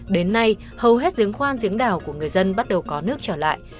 đến nay hầu hết giếng khoan giếng đảo của người dân bắt đầu có nước trở lại